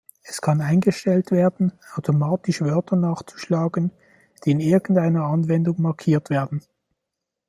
Es kann eingestellt werden, automatisch Wörter nachzuschlagen, die in irgendeiner Anwendung markiert werden.